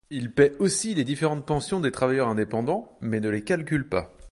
Il paie aussi les différentes pensions des travailleurs indépendants mais ne les calcule pas.